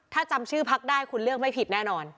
ถ้าจำชื่อพักได้คุณเลือกไม่ผิดแน่นอน